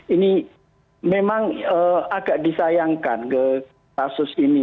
ini memang agak disayangkan ke kasus ini